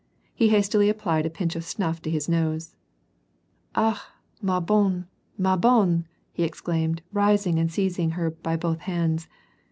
He hastily applied a pinch of snuff to his nose. " Ah I ma bonne, ma bonne !" he exclaimed, rising and seiz ing her by both hands.